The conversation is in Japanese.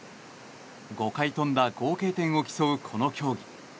５回飛んだ合計点を競うこの競技。